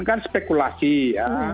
kan spekulasi ya